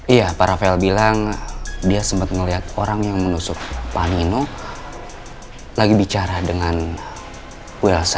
iya pak rafael bilang dia sempat melihat orang yang menusuk panino lagi bicara dengan welsa